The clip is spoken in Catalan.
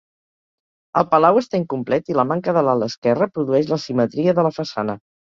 El palau està incomplet i la manca de l'ala esquerra produeix l'asimetria de la façana.